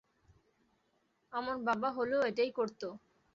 আমার বাবা হলেও এটাই করতো।